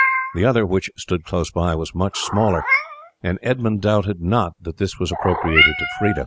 The other which stood close by was much smaller, and Edmund doubted not that this was appropriated to Freda.